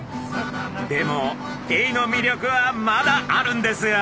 でもエイの魅力はまだあるんですよ。